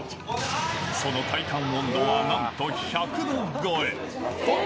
その体感温度はなんと１００度超え。